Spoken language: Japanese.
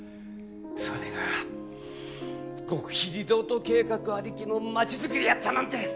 それが極秘リゾート計画ありきの町づくりやったなんて！